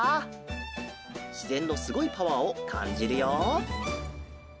しぜんのすごいパワーをかんじるよ。